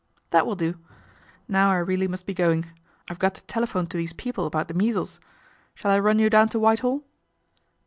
" That will do. Now I really must be going. I've got to telephone to these people about the measles. Shall I run you down to Whitehall